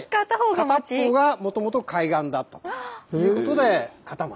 片っぽうがもともと海岸だったということで片町。